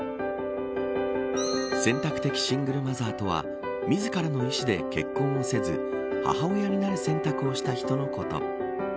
選択的シングルマザーとは自らの意思で結婚をせず母親になる選択をした人のこと。